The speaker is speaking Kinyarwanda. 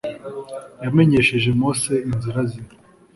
Yamenyesheje Mose inzira ze